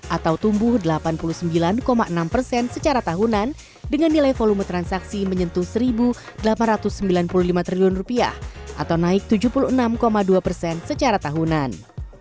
atau tumbuh delapan puluh sembilan enam persen secara tahunan dengan nilai volume transaksi menyentuh satu delapan ratus sembilan puluh lima triliun atau naik tujuh puluh enam dua persen secara tahunan